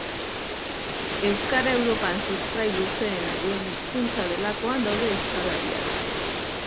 Euskara Europan sustrai luzeena duen hizkuntza delakoan daude euskalariak